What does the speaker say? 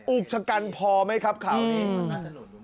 อุกชะกันพอไหมครับข่าวนี้